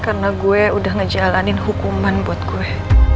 karena gue udah ngejalanin hukuman buat gue